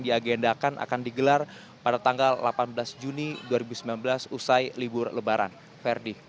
diagendakan akan digelar pada tanggal delapan belas juni dua ribu sembilan belas usai libur lebaran ferdi